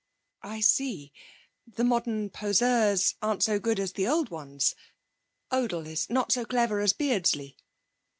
'I see. The modern poseurs aren't so good as the old ones. Odle is not so clever as Beardsley.'